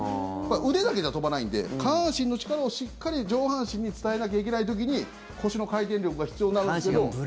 腕だけじゃ飛ばないんで下半身の力をしっかり上半身に伝えなきゃいけない時に腰の回転力が必要になるんですけど。